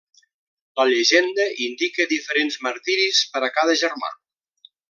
La llegenda indica diferents martiris per a cada germà.